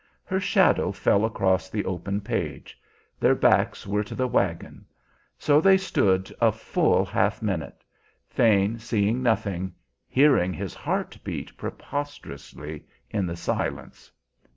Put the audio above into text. Her shadow fell across the open page; their backs were to the wagon. So they stood a full half minute, Thane seeing nothing, hearing his heart beat preposterously in the silence.